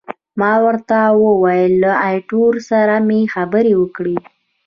ما ورته وویل، له ایټور سره مې خبرې وکړې.